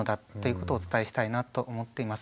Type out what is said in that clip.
ことをお伝えしたいなと思っています。